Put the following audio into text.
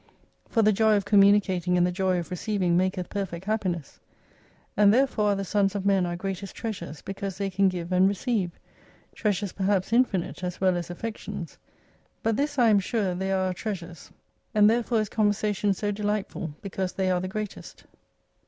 For the joy of communicating and the joy of receiving maketh perfect happiness. And there fore are the sons of men our greatest treasures, because they can give and receive : treasures perhaps infinite as well as affections. But this I am sure they are our treasures, and therefore is conversation so delightful, because they are the greatest.